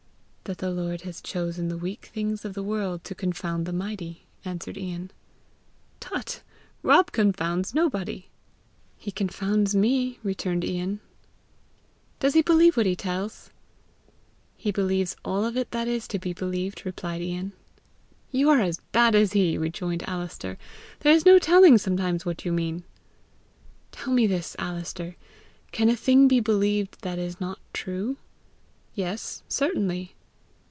"That the Lord has chosen the weak things of the world to confound the mighty," answered Ian. "Tut! Rob confounds nobody." "He confounds me," returned Ian. "Does he believe what he tells?" "He believes all of it that is to be believed," replied Ian. "You are as bad as he!" rejoined Alister. "There is no telling, sometimes, what you mean!" "Tell me this, Alister: can a thing be believed that is not true?" "Yes, certainly!"